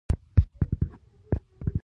دا د معلوماتو د تحلیل او تجزیې مرحله ده.